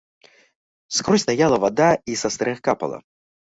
Скрозь стаяла вада і са стрэх капала.